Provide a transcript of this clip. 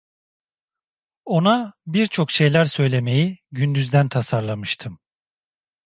Ona birçok şeyler söylemeyi gündüzden tasarlamıştım.